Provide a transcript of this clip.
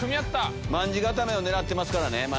卍固めを狙ってますからね。